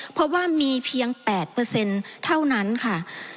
เพราะว่ามีเพียง๘เท่านั้นค่ะ